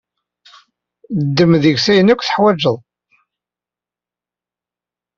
Ddem deg-s ayen ark i teḥwaǧeḍ.